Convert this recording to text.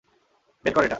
বের কর এটা।